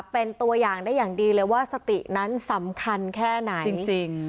เป็นตัวอย่างได้อย่างดีเลยว่าสตินั้นสำคัญแค่ไหนจริง